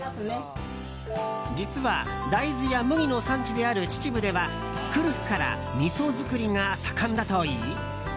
実は大豆や麦の産地である秩父は古くからみそ造りが盛んだといい。